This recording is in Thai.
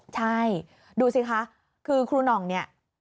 ใช่ดูสิคะคือครูหน่องเนี่ย